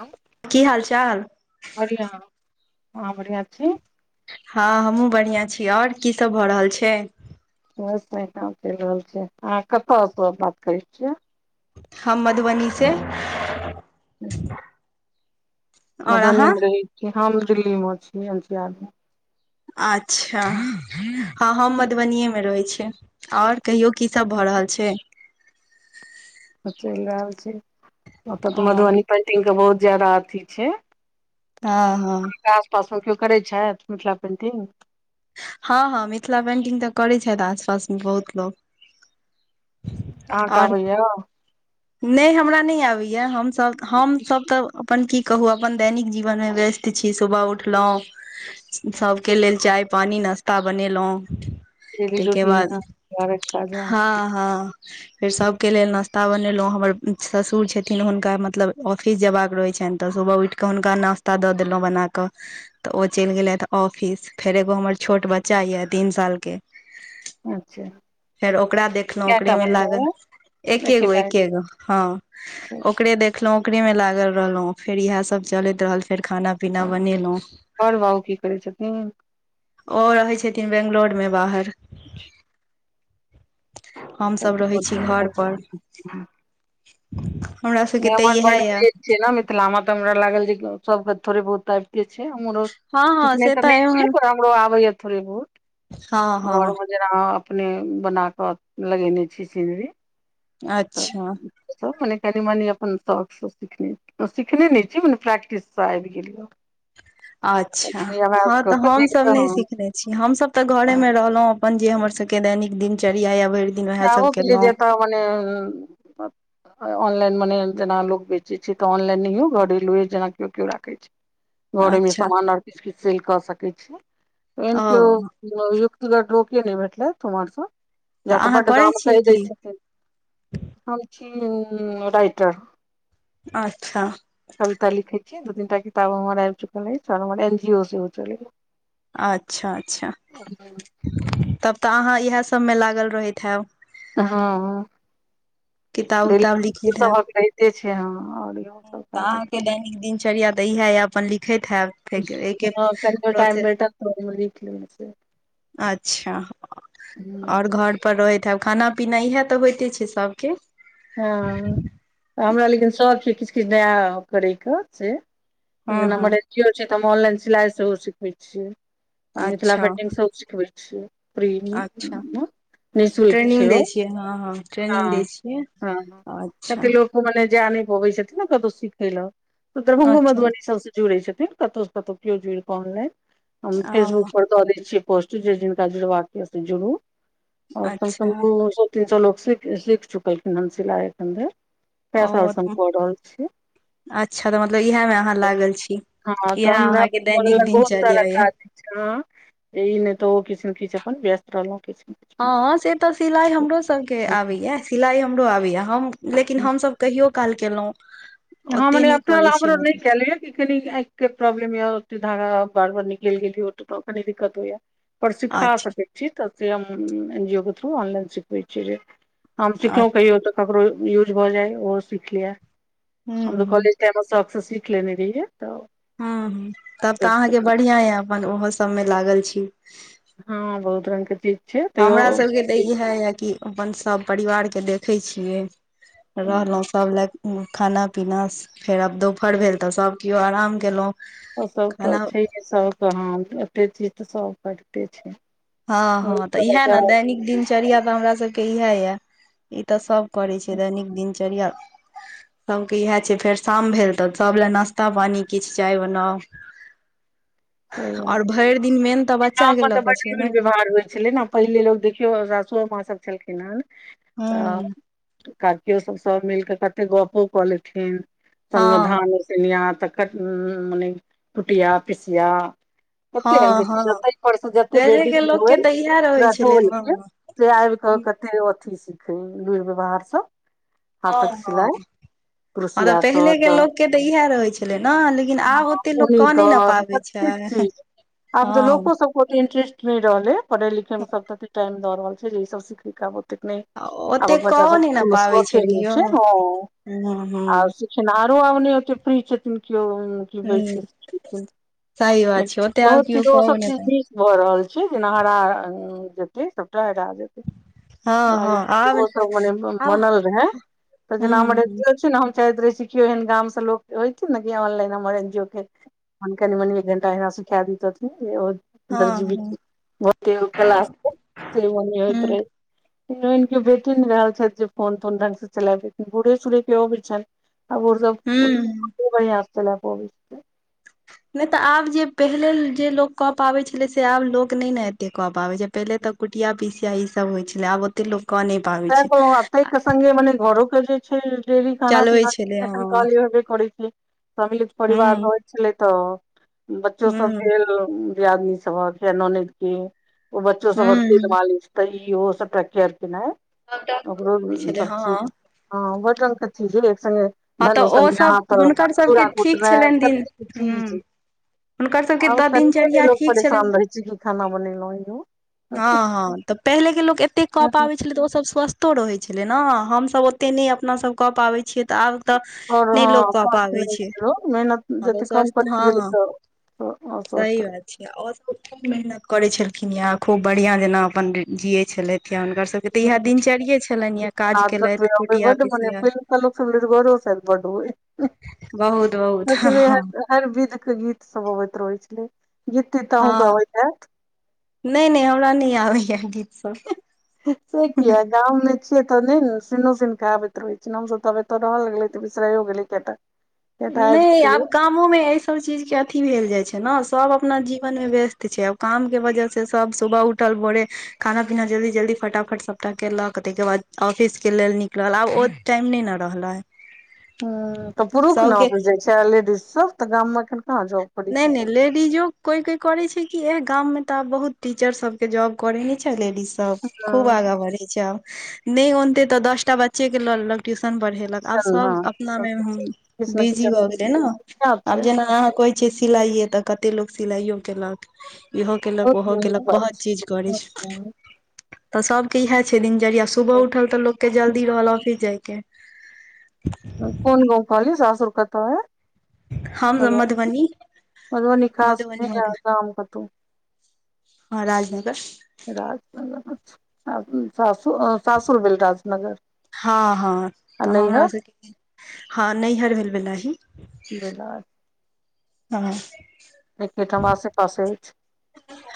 आँ की हाल चाल बढ़िआँ आहाँ बढ़िआँ छी हँ हमहहुँ बढ़िआं छी आओर की सब भऽ रहल छै बस ओहना चलि रहल छै अहाँ कतऽ सऽ बात करै छियै हम मधुबनी से आओर मधुबनी अहाँ मे रहै छी हम दिल्ली मे छी एन सी आर मे अच्छा हँ हम मधुबनिए में रहै छिय आओर कहियो की सब भऽ रहल छै तऽ चलि रहल छै ओतय तऽ ओ मधुबनी पेंटिंग के बहुत ज्यादा अथी छै हँ हँ आस पास मऽ किइयो करै छैथ मिथिला पेंटिंग हँ हँ मिथिला पेंटिंग तऽ करै छथि आसपास मे बहुत लोक आँह कऽ आओर आबेयऽ नहि हमरा नहि आबैएा हमसभ हमसभ तऽ अपन की कहू अपन दैनिक जीवनमे व्यस्त छी सुबह उठलहुँ सभके लेल चाय पानि नाश्ता बनेलहुँ डेली ताहिके रूटीन बाद घरक काज हँ हँ फेर सबके लेल नाास्ता ब ं हमर ससुर छथिन हुनका मतलब ऑफिस जेयबाक रहय छनि तऽ सुबह उठ केऽ हुनका ना नास्ता दऽ देलहुँं बना कऽ तऽ ओ चलि गेलथि ऑफिस फेर एगो हमर छोट बच्चा यए तीन सालके अच्छा फेर ओकरा देखलहु कैटा ओकरेमे बच्चा लागल अय एकेगो एकेटा अय एकेगो हँ अच्छा अच्छा। ओकरे देख उठलाऊ ओकरे मऽ लागल रहलहुँ फेर इएह सब चलैत रहल फेर खाना पीना बनेलहुँ आओर बाबू की करै छथिन ओ रहै छथिन बैंगलोर मे बाहर अच्छा हमसभ रहै छी तऽ बहुत घरपर हमरा नै सबके तऽ हमर इएह बड यऽ तेज छै ने मिथिलामेा तऽ हमरा लागल जे सब के थोड़े बहुत एबते छै हमरो हँ हँ सिखने से तऽ नहि छिय एहन पर हमरो आबेय थोड़े बहुत हँ घर हँ मे जेना अपने बनााकऽ लगेने छी सीनरी तऽ अच्छा सब मने कनी मनी अपन शौक सऽ सीखने सीखने ने छी मने प्रैक्टिस से आबि गेल या अच्छा कनि अभ्यास हँ कऽ तऽ कऽ हम देख सब कऽ नहि हँ सिखनेे छिह हमसभ तऽ घरे मे रहलहुं अपन जे हमर सबके दैनिक दिनचर्या या भरि दिन उएह सब आबय गेलय केलहुँ जतय माने ऑनलाइन मने जेना लोग बेचे छै तऽ ऑनलाइन नहियो घरेलुए जेना को कोइकेओ राखे छै [inaudible] घरेमे सामान आर किछु किछु सेल कऽ सकैत छी ऐहेन ओ कियोओ युक्तगट रोकी नहि भेटल ओमरसँ तऽ अहाँ बड करै दान छियै कहि दै की छथिन हम छी राइटर अच्छा कविता लिखे छीयै दू तीन टा किताबो हमर आएब चुकल ऐछ और हमर एन जी ओ सेहो चलया अच्छा अच्छा तब तऽ अहाँ इएह सब में लागल रहैत हयब हँ हँ किताब उताब बिल्कुल [inaudible] लिखैत हैब सभहक रहिते छ्य हँ और इहो सब तऽ काज हैते अहाँके दैनिक दिनचर्या तऽ इएहे अपन लिखैत है फेर एहिके प्रोसेस कनी मनी लिख लेने छिये अच्छा ओर घर पर रहैत हब खाना पीना इएह तऽ होइते छै सबके हँ तऽ हमरा लेकिन सभौ छै किछ किछ नया करयके छे त हँ जेना हँ हमर एन जी ओ छै त ऑनलाइन सिलाई सेहो सिखबै छियै मिथिला अच्छा पेंटिंग सोहो सिखबे छिये फ्रि अच्छा म ट्रेनिंग दै छियै हँ हँ हँ ट्रेनिंग दै छियै हँ अच्छा कते लोक मने जा नय पबै छथिन ने कतहु सिखय लए तऽ दरभंगो अच्छा मधुबनी सभसँ जुड़ै छथिन कतहुसँ कतहु केओ जुड़ि कऽ आनलाइन हम ओ फेसबुक पर दऽ दै छियै पोस्ट जे जिनका जुड़बाक य से जुड़ू ओर कमसँ कम अच्छा दू सए तीन सए लोकग सख सीख चुकलखिन हेन सिला एखनधेर कै साल ओ स हम कऽ रहल छी अच्छा तऽ मतलब इएह में अहाँ लागल छी हँ इएह तऽ हमरा अहाँके करे दैनिक लए बहुत सारा दिनचर्या ये काज हँ य नय तऽ ओ किछ ने किछ अपन व्यस्त रहलो किछ हँ से तऽ सिलाई हमरो सबके आबैया सिलाई हमरो आबैए हम लेकिन मे। हमसभ कहियो काल केलो हँ मने अपनाल हमरो नय केलियै ई कनी एक प्रॉब्लम य धागा बार बार निकेल गेल होत तऽ कनि दिक्कत होइया पर सीखा अच्छा सकैत छी तऽ से हम एन जी ओ के थ्रू ऑनलाइन सिखबै छिय हम हूँ सिखलो कहियो तऽ ककरो यूज भऽ जाय ओहो सीख लिये हम तो हूँ कॉलेज टाइम में शौकसँ सीख लेने रहियै तऽ हँ हु तब तऽ अहाँके बढ़िया यै अपन ओहो सब मे लागल छी हँ बहुत रंग के चीज छै तैयो हमरा सभ के तऽ इएह यए कि अपन सभ परिवार के देखै छियै हुँ, रहलो सभ लए खाना पीना फेर आब दोपहर भेल तऽ सब केओ आराम केलो ओ सब तऽ छैय हे सभके हँ एते छी तऽ सब करिते छै हँ हमरो हँ तऽ सबके इएह ने बचाव दैनिक दिनचर्या तऽ हमरा सबके इएह यऽ ई तऽ सब करे छै दैनिक दिनचर्या सभके इएह छै फेर शाम भेल तऽ सभ लए नाश्ता पानी किछ चाय बनाउ सही बात ओर भैर दिन मेन तऽ बच्चा के लऽ के छै ने विध व्यवहार होइ छलै ने पहिले लोक देखियौ सासुओ माँसभ छलखिन हेन तऽ ह काकियो सब सब मिल कऽ कते गपो कऽ लेथिन संगे हँ धान उसेनिया त मने टुटिया पिसिया [unintelligible] हँ हँ पहिलेके लोकके तऽ इएह रहै छलै हँ से आब कऽ कते अथी सिखे लुरि व्यवहार सब ह हाथक सिलाइ ह तब क्रोसिया पहिले कऽ के लोक के तऽ इएह रहे छले ने लेकिन आब हँ ओते लोक ओहि नहि ने कऽ पाबै कतेक छै चीज आब तऽ लोक हँ सब ओत इंटरेस्ट नय रहले पढ़े लिखे मे सब ते टाइम द रहल छै जे ई सब सीख खे [unintelligible] आबक ओतेक बच्चा कओ सब नहि के ने कोनो पाबै सखे नय कियो छै हऽ हूँ हूँ आब आरो आब ने ओत फ्री छथिन कियो हूँ [unintelligible] सही बात छै ओते आब बहुत कियो चीज ओ सब कहबो नहि चीज करै भी भऽ रहल छै जेना हरा जेतै सभटा हरा जेतै हँ आइ हँ आब ओ सब मने आब बनल रहे तऽ जेना हमर हूँ छै ने हम शायद रहै छै केओ एहन गाम से लोक आयथिन ने ऑनलाइन हमर एनजीओ के कनि मनी एक घणटा एना सीखा देतथिन हँ हँ दरजी भी ओते ओ कला से ओने होइत हूँ रहै हरोइन के बेटी न रहल छथि जे फोन तोन ढंग से चलाब बूढ़े सढ़े के ओ आबि छनि आओर हूँ [unintelligible] [inaudible] नहि तऽ आब जे पहिले जे लोक कऽ पाबै छलै से आब लोक नहि ने एते कऽ पाबै छै पहिले तऽ कुटिया पिसिया ई सब होइ छलै आब ओते लोककेने सहए कहलहूँ आब तै के संगे मने घरोके जे छै देरी खाना चलबै पीना छलै हँ एखन कहलियौ नै करै छै समिलित परिवार हूँ होइत छलै तऽ बच्चो सब हूँ भेल दियादनी सभक या ननैद के ओ बच्चो सबहक हूँ तेल मालिश तयौ सबटा केयर केनाइ डॉक्टर ओकरो आबै छलै हँ सबचीज हाँ बहुत रंगगके एक संगे हँ तऽ धन ओसनीयाँ ओसभ अहाँ त हुनकर सभके चूरा ठीक कुटनाय छलनि दिन सब हूँ चीज हुनकर सभके आ तऽ कनये दिनचर्या दिन लोक ठीक छलनि परेशान रहै छै कि खाना बनेलहूँ यौ हाँ हाँ तऽ पहिले के लोक एते कऽ पाबै आओर छलै तऽ ओ सब स्वस्थ कतो रहै छलै ने हमसभ ओते नहि अपना सब कऽ पाबै छियै तऽ आब तऽ आओर नहि लोक हँ कऽ स्वास्थ पाबै नहि छै ओ मेहनत हँ तऽ जतेक कम स्वस्थ करैत हँ गेलै हँ तऽ तऽ आओर सब सही बात छै आओर लोक खूब मेहनत करै छलखिन या खूब बढ़ियाँ जेना अपन जियए छलथि य हुनकर सबके तऽ इएहा दिनचर्ये छलनि ये काज केलथि कुटिया पिसिया पहिले लोको सब लूरिगरओ बड होइ बहुत बहुत सच हँ मे हर विध के गीत सब अबैत रहै छलै गीत तीत त अहूँके हँ अबैत हायत नहि नहि हमरा नहि आबैए गीतसभ से कियाक गाममे छियै तऽ नहि ने सनो सुन केे आबैत रहै छै न हमसभ तऽब एत रहल गेलै तऽ बिसराइयो गेलै कयटा नहि आब काम कामो मे एहि सब चीज के अथि भेल जाइ छै ने सभ अपना जीवन मे व्यस्त छै आब काम के वजह से सब सुबह उठ उठल भोरे खाना पीना जल्दी जल्दी फटाफट सबटा केलक तैके बाद ऑफिस के लेल नी -कलल आब ओ टाइम नहि न रहलै हूँ तऽ पुरुख न सबके ऑफिस जाइ छै लेडीज सब तऽ गाममे नहि नहि ले- हिजो कोई कोई करे छै कि इह गाम मे तऽ आब बहुत टीचर सब के जॉब करे छै न लेडीज त सब खूब आगा बढ़े छै आब नहि नते तऽ दसटा बच्चे के ल लेलक ट्यूशन पढ़े आब सब हँ अपनामे किछ ने किछ बिजी हो गेलै ने आब छै जेना अहाँ छै सिलाइे तऽ कते लोको सिलाइयो केलक इहो कयलक बहुत ओहो नीक केलक बात बहुत चीज करै छै तऽ सबके इएह छै दिनचर्या सुबह उठल तऽ लोक के जल्दी रहल ऑफिस जाइके कोन गाँव कहलियै सासुर कतऽ अय हम सब मधुबनी मधबनी खास मे मधुबनी या मधुबनी गाम कतौ हँ राजनगर राजनगर अच्छा आ सासुर सासुर भेल राजनगर हँ हँ आ तऽ हमरा नइहर सबके हँ नइहर भेल वेलाही बेलाही हँ क्रिकेट हम आसे पासे अछि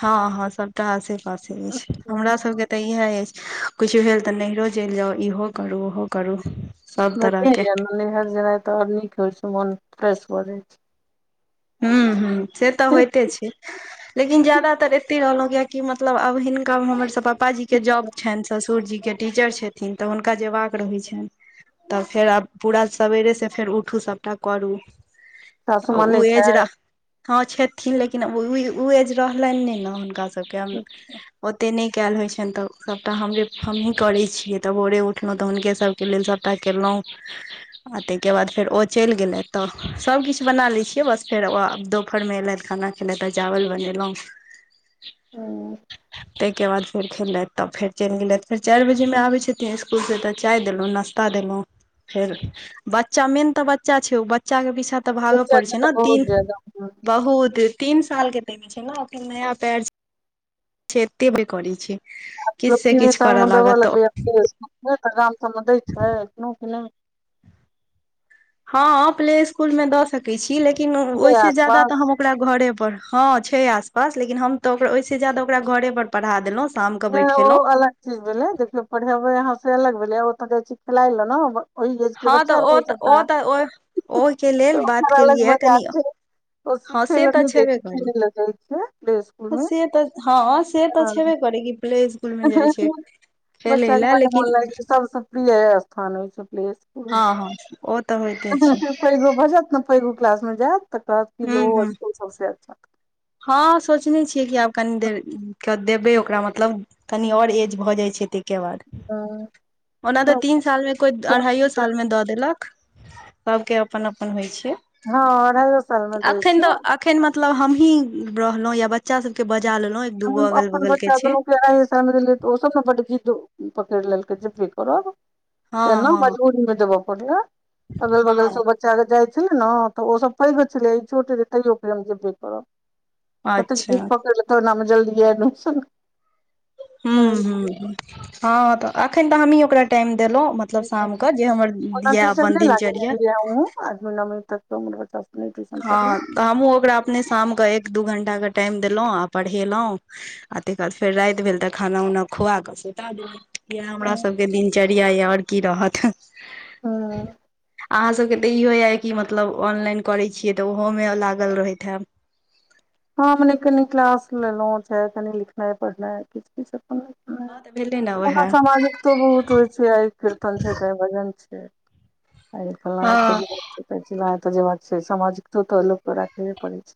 हँ हँ सबटा आसे पासे अछि हमरा सबके तऽ इएह अछि कुछु भेल तऽ नहिरो चलि जाउ इहो करू ओहो करू सब तरह बबढ़ियाँ के ये न नइहर जेनाइ तऽ आओर नीक होइ छै मन फ्रेश भऽ जाय छै हुँ हुँ से तऽ होइते छै लेकिन ज्यादातर एत्तै रहलौं कियेकि की मतलब आब हिनका हमर सब पापाजी के जॉब छनि ससुर जी के टीचर छथि छथिन तऽ हुनका जेबाक रहै छनि। तऽ फेर आब पूरा सवेरेसँ फेर उठू सभटा करू सासू आ उ मानै एज छथि हँ छथिन लेकिन उ एज रहलनि नय न हुनका सभ सभके हम ओते नय केल होइ छनि तऽ सभटा हमरे हमहीँ करै छियै तऽ भोरे उठलौं तऽ हुनके सभ के लेल सभटा केलौं आ ताहिके बाद फेर ओ चलि गेलै तऽ सभकिछु बना लै छियै बस फेर दोपहर मे एलथि खाना खेलथि आ चावल बनेलौं [inaudible] तइके बाद फेर खेलथि तब फेर चलि गेलथि फेर चारि बजेमे आबै छथिन इसकुलसँ तऽ चाय देलौं नश्ता ता देलौं फेर बच्चा मेन तऽ बच्चा छै ओ बच्चा के पीछा तऽ भागय पड़ै छै न जयदा हँ। बहुत तीन साल के तइ मे छै न अखनि नया पेर छै एते बेर करै छै किछु लोक से तीने किछु साल करय मे देबऽ लागत लगलैये प्ले स्कूल गाम सबमे दै छै एखनो की नय हँ प्ले स्कुल मे दऽ सकै छी लेकिन के ओहिसे ज्यादा तऽ आसपास हम अपने ओकरा घरे पर हँ छै आसपास लेकिन हम तऽ ओकरा ओहिसँ जादा ओकरा घरे पर पढ़ा देलौं शाम क नै ओ बैठेलौं अलग चीज भेलै देखियौ पढ़ेबे आहाँ से अलग भेलेै आ ओत जाइ छै खेलाइ ले न हँ तऽ ओ तऽ ओ तऽ ओ ओहिके लेल तऽ बात ओकर अलग केलियै मजा कनि छै ओ हँ सिखै से लए तऽ नहि जाइ छेबे छै कर खेलै लए जाइ छै प्ले स्कूल मे से तऽ हँ से तऽ छबे हँ करै कि प्लेज बच्चा के बड्ड मोन लेकिन लागै छै सबसे प्रिय स्थान होइ छै प्लेस हँ हँ ओ तऽ होइते छै पैगो भऽ जैत न पैगो क्लास मे जायत तऽ कहत कि जे हूँ ओ हूँ इसकुल सब से अच्छा हँ सोचने छियै कि आब कनि देर देबै ओकरा मतलब तनि आओर एज भऽ जाइ छै ताहिके बाद। ओ ओना तऽ तीन साल मे कोय अढ़ाइयो साल मे दऽ देलक। सबके अपन-अपन होय छै। हँ अढ़ाइयो साल मे दै अखन छै। तऽ अखन मतलब हमही रहलहुँं या बच्चा सबके बजा लेलो हम अपन बच्च दुनू के सम त ओस ब खिू पकड़ लेललक जे भी करो हँ त ने हँ मजबूरीमे जबब अगल बगल से हँ बच्चा- चल जाइ छलै ने तऽ ओसभ पैघ छलै ई छोटै छै तैयो क हम जेबे करब। कते अच्छा जीद पकर लतऽ एना मे जल्दीये एडमिशन। हूॅं-हूॅं-हूॅं हाॅं तऽ एखन तऽ हमही ओकरा टाइम देलहुँ म मतलब करेलकै शाम क जे हमर दिय दिनचर्या। आद महीना मे तक हमर बच्चा सब। नहि ट्यूशन पढ़लक हाॅं तऽ हमहूँ ओकरा अपने शामके एक दू घंटाके टाइम देलहुँ आ पढ़ेलहुँ। आते काल फेर राति भेल तऽ खाना उना खुआ कऽ सुता देलहुॅं। इहा हमरा सबके दिनचर्या य और की रहत हाॅं। अहाँसभके तऽ इहो य कि मतलब ऑनलाइन करै छियै तऽ ओहोमे लागल रहैत हैब। हमने कनि क्लास लेलो छैय कनि लिखना पढ़ना किछ-किछ अपन भ। हँ तऽ भेलै ने उएह ओना समाजक। बहुत होय छै आ कीर्तन छै त भजन छै आइ फलना एते हँ जेबै। चिलना एता जेबाक छै सामाजिकतो तऽ लोकके राखेे पड़ैत छै।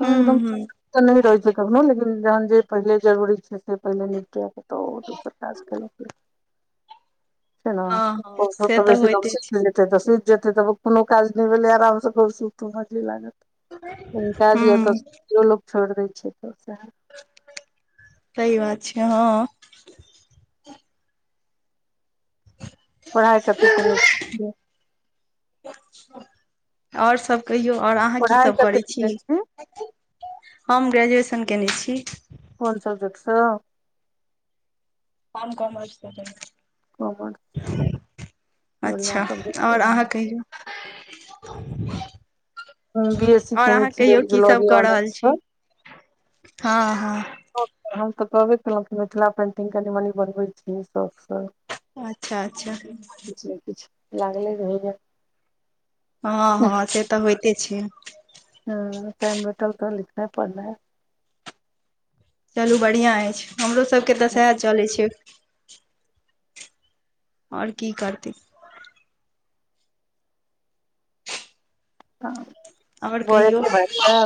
त हूँ एकदम हूँ तऽ नहि रहै छै कखनो लेकिन जहन जे पहिले जरूरी छै से पहिले निपटयके त ओ दोसर काज केलक। छैय ने हँ ओ हँ सब से त तऽ बेसी लोग होइते छै जे। एते तऽ सुत जेते तब कोनो काज नहि भेलै आराम से खुब सुतु मजे लागत। लेकिन [unintelligible] काज या तयो लोक छोड़ दै छै तऽ सएह। कहीये अच्छा हाँ पढ़ाइ कतेक केने छिये। ओर सब कहियौ और अहाँ की पढ़ाइ सभ कते करै छी। केने हम ग्रेजुऐशन कयने छी। कोन सब्जेक्ट से। हम काॅमर्स से केना कॉमर्स छी, बढ़िया अच्छा सब्जेक्ट और अहाॅं [unintelligible] बी एस सी और केने अहाँ छियै कहियो की सब जूलॉजी कऽ रहल ऑनर्स छी सँ हाॅं हाॅं। हम तऽ कहबे केलहुॅं की मिथिला पेन्टिंग कनि-मनी बनबै छी शौखसँ। अछा अछा। किछ ने किछ लागले रहैय। हाॅं हाॅं से तऽ होइते छै। हाॅं टाइम भेटल तऽ लिखनाइ पढ़नाइ। चलू बढ़िआँ अछि हमरोसभके तऽ सएह चलै छै। और की करती। हाॅं आओर कहियौ बोरके बच्चा।